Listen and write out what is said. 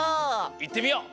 いってみよう！